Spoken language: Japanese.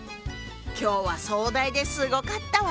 今日は壮大ですごかったわね。